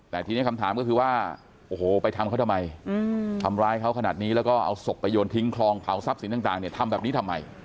แต่ทีนี้คำถามก็คือว่าโอ้โหไปทำเขาทำไมทำร้ายเขาขนาดนี้แล้วก็เอาศพไปโยนทิ้งคลองเผาทรัพย์สินต่างเนี่ยทำแบบนี้ทำไม